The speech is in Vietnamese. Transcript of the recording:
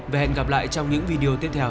và hẹn gặp lại trong những video tiếp theo